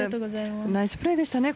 ナイスプレーでしたね